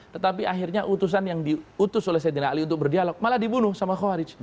tetapi akhirnya utusan yang diutus oleh saidina ali untuk berdialog malah dibunuh sama khawarij